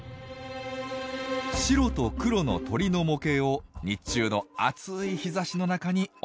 白と黒の鳥の模型を日中の暑い日ざしの中に置いておきます。